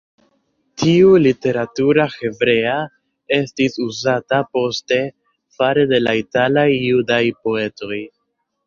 Tiu literatura hebrea estis uzata poste fare de la italaj judaj poetoj.